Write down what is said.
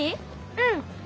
うん。